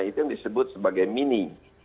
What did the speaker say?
itu yang disebut sebagai mini